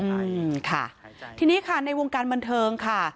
อืมค่ะทีนี้ค่ะในวงการบันเทิงค่ะ